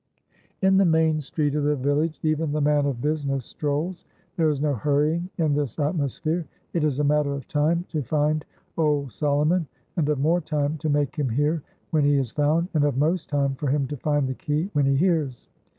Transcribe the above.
In the main street of the village even the man of business strolls. There is no hurrying in this atmosphere. It is a matter of time to find Old Solomon, and of more time to make him hear when he is found, and of most time for him to find the key when he hears.